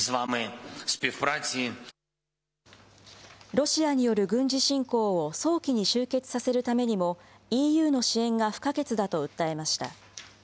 ロシアによる軍事侵攻を早期に終結させるためにも、ＥＵの支援が不可欠だと訴えました。